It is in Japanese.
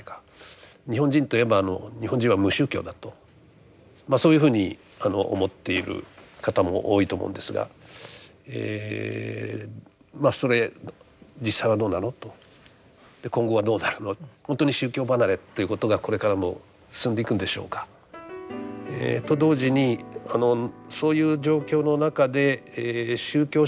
日本人といえば日本人は無宗教だとそういうふうに思っている方も多いと思うんですがまあそれ実際はどうなのと今後はどうなるのほんとに宗教離れということがこれからも進んでいくんでしょうか。と同時にそういう状況の中で宗教集団というのはですね